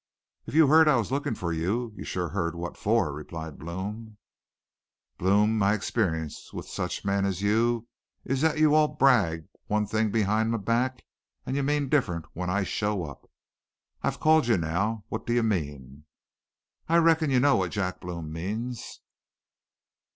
"'If you heard I was lookin' for you, you sure heard what for,' replied Blome. "'Blome, my experience with such men as you is that you all brag one thing behind my back an' you mean different when I show up. I've called you now. What do you mean?' "'I reckon you know what Jack Blome means.'